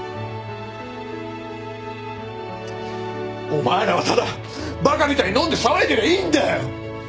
お前らはただバカみたいに飲んで騒いでりゃいいんだよ！